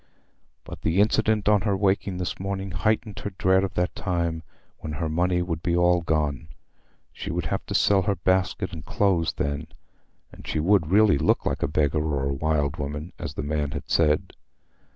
But the incident on her waking this morning heightened her dread of that time when her money would be all gone; she would have to sell her basket and clothes then, and she would really look like a beggar or a wild woman, as the man had said.